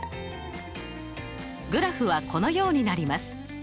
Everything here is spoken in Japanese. グラフはこのようになります。